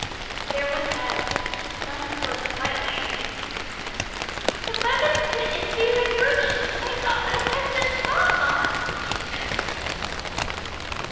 There was silence. Bumps looked slightly uneasy. "The rubbith pit is very dirty, and I've got my bestest frock on," she ventured.